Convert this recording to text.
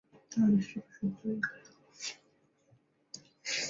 李珊可能指下列人物